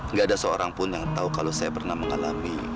nggak ada seorang pun yang tahu kalau saya pernah mengalami